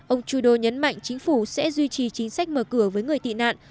ông trudeau nhấn mạnh chính phủ sẽ duy trì chính sách mở cửa với người tị nạn